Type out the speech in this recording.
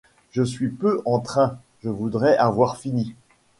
Je suis peu en train ; je voudrais avoir fini.